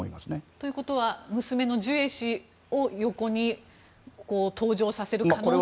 ということは娘のジュエ氏を横に登場させる可能性があると？